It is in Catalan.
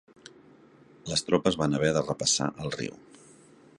Les tropes van haver de repassar el riu.